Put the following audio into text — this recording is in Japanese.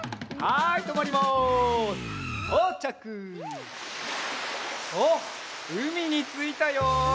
あっうみについたよ！